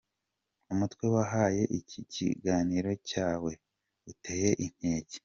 Umutwe wahaye iki kiganiro cyawe uteye inkeke.